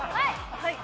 はい！